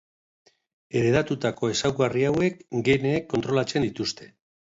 Heredatutako ezaugarri hauek geneek kontrolatzen dituzte.